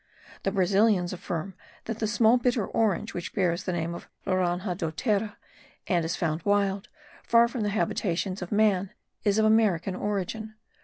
The Brazilians affirm that the small bitter orange which bears the name of loranja do terra and is found wild, far from the habitations of man, is of American origin.